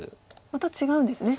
また違うんですね